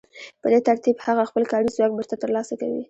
په دې ترتیب هغه خپل کاري ځواک بېرته ترلاسه کوي